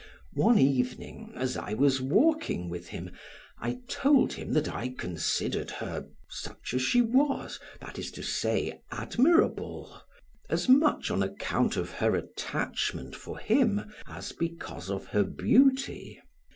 One evening as I was walking with him I told him that I considered her such as she was, that is to say, admirable, as much on account of her attachment for him as because of her beauty.